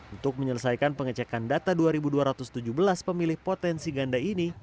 untuk menyelesaikan pengecekan data dua dua ratus tujuh belas pemilih potensi ganda ini